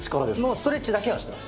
ストレッチだけはしてます。